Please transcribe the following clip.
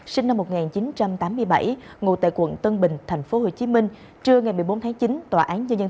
sinh năm một nghìn chín trăm tám mươi bảy ngồi tại quận tân bình tp hcm trưa ngày một mươi bốn tháng chín